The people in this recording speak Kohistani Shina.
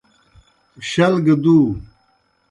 شل گہ دُو۔